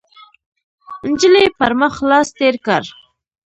، نجلۍ پر مخ لاس تېر کړ،